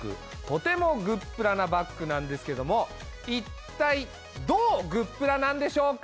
とてもグップラなバッグなんですけども一体どうグップラなんでしょうか？